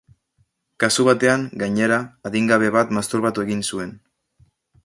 Kasu batean, gainera, adingabe bat masturbatu egin zuen.